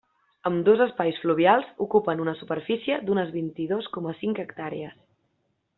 Ambdós espais fluvials ocupen una superfície d'unes vint-i-dos coma cinc hectàrees.